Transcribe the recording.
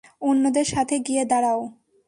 অন্যদের সাথে গিয়ে দাঁড়াও।